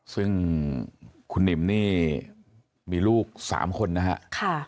ซึ่งคุณหนิมนี่มีลูก๓คนนะครับ